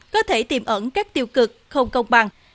có thể tiềm ẩn các tiêu cực không công bằng